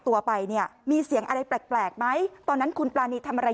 ตัวไปเนี่ยมีเสียงอะไรแปลกไหมตอนนั้นคุณปรานีทำอะไร